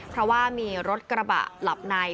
เพราะว่ามีรถกระบะหลับใน